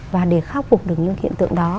và để khắc phục được những hiện tượng đó